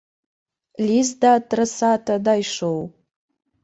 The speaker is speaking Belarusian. Ліст да адрасата дайшоў.